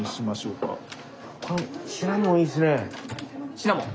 シナモン。